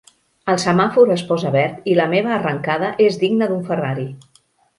El semàfor es posa verd i la meva arrencada és digna d'un Ferrari.